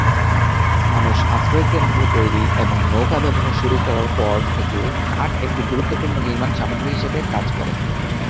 মানুষ আশ্রয়কেন্দ্র তৈরি এবং নৌকা ব্যবহার শুরু করার পর থেকে কাঠ একটি গুরুত্বপূর্ণ নির্মাণ সামগ্রী হিসাবে কাজ করে।